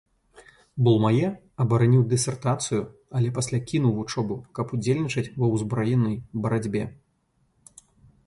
Булмае абараніў дысертацыю, але пасля кінуў вучобу, каб удзельнічаць ва ўзброенай барацьбе.